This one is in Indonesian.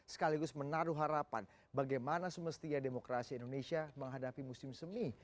sekaligus menaruh harapan bagaimana semestinya demokrasi indonesia menghadapi musim semi